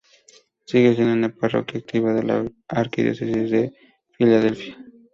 Sigue siendo una parroquia activa de la Arquidiócesis de Filadelfia.